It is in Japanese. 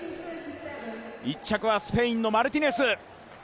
１着はスペインのマルティネス。